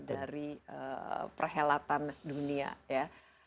dari perhelatan dunia ya